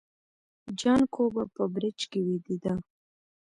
جانکو به په برج کې ويدېده.